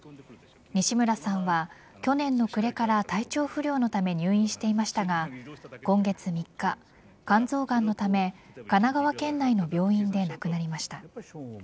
西村さんは去年の暮れから体調不良のため入院していましたが今月３日、肝臓がんのため神奈川県内の病院で亡くなりました。